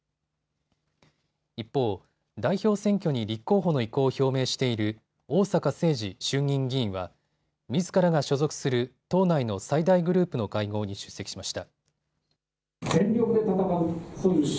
一方、代表選挙に立候補の意向を表明している逢坂誠二衆議院議員はみずからが所属する党内の最大グループの会合に出席しました。